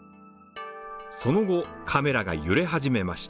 その後、カメラが揺れ始めました。